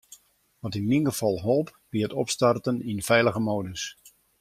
Wat yn myn gefal holp, wie it opstarten yn feilige modus.